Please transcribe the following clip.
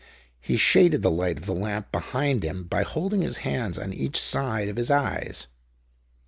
He shaded the light of the lamp behind him by holding his hands on each side of his eyes.